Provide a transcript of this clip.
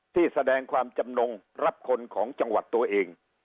ที่แสดงความจำนงรับคนของจังหวัดตัวเอง